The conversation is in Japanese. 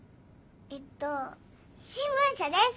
えっと新聞社です。